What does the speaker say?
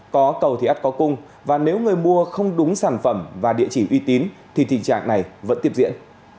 có cầu thì át có cung và nếu người mua không đúng sản phẩm và địa chỉ uy tín thì tình trạng này vẫn tiếp diễn